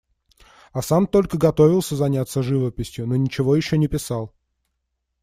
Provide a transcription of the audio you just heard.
А сам только готовился заняться живописью, но ничего еще не писал.